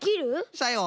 さよう。